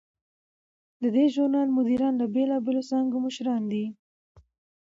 د دې ژورنال مدیران د بیلابیلو څانګو مشران دي.